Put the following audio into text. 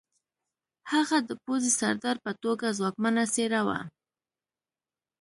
هغه د پوځي سردار په توګه ځواکمنه څېره وه